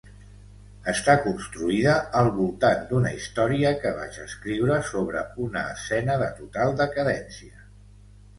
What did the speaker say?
Està construïda al voltant d'una història que vaig escriure sobre una escena de total decadència.